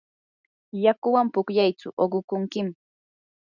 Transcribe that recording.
yakuwan pukllaytsu uqukunkim.